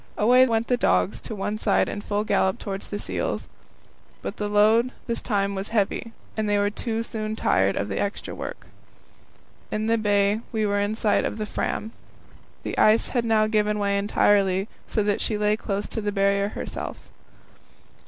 Away went the dogs to one side in full gallop towards the seals. But this time the load was heavy, and they were soon tired of the extra work. In the bay we were in sight of the Fram. The ice had now given way entirely, so that she lay close to the Barrier itself.